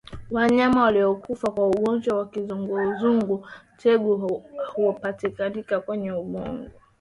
Wanyama waliokufa kwa ugonjwa wa kizunguzungu tegu hupatikana kwenye ubongo